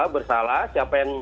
bersalah siapa yang